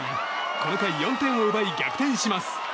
この回、４点を奪い逆転します。